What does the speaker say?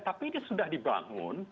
tapi ini sudah dibangun